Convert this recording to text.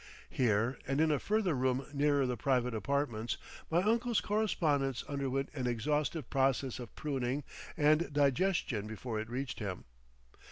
Here and in a further room nearer the private apartments, my uncle's correspondence underwent an exhaustive process of pruning and digestion before it reached him.